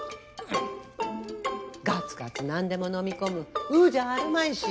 ガツガツ何でものみ込む鵜じゃあるまいし。